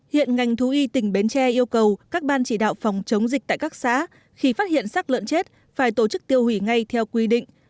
hiện ngành thú y tỉnh bến tre yêu cầu các ban chỉ đạo phòng chống dịch tại các xã khi phát hiện sát lợn chết phải tổ chức tiêu hủy ngay theo quy định